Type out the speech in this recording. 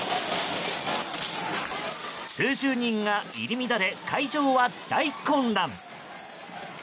数十人が入り乱れ会場は大混乱。